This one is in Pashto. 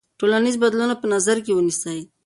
ټولنیز بدلونونه په نظر کې ونیسئ.